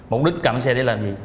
mục đích cầm xe để làm gì